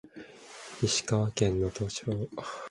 石川県能登町